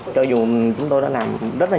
cho dù chúng tôi đã làm rất nhiều